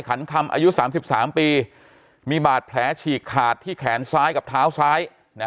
ขันคำอายุ๓๓ปีมีบาดแผลฉีกขาดที่แขนซ้ายกับเท้าซ้าย